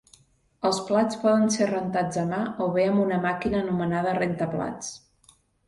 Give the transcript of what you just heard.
Els plats poden ser rentats a mà o bé amb una màquina anomenada rentaplats.